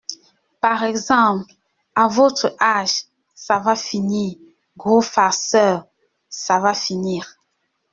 Par exemple !… à votre âge !… ça va finir !… gros farceur, ça va finir !…